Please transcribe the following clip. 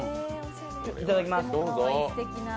いただきます。